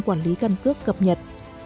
quản lý căn cước cập nhật